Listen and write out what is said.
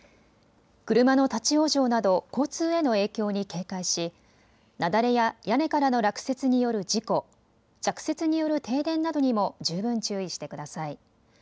車の立往生など交通への影響に警戒し雪崩や屋根からの落雪による事故、着雪による停電などにも十分注意してください。